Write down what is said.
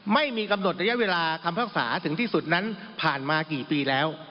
ไม่มีกำหนดระยะเวลาคำพิพากษาถึงที่สุดนั้นผ่านมากี่ปีแล้ว